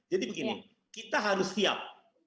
jadi begini kita harus siap